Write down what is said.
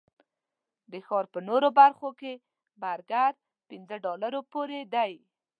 د ښار په نورو برخو کې برګر پنځه ډالرو پورې دي.